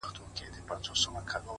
ما پر اوو دنياوو وسپارئ؛ خبر نه وم خو؛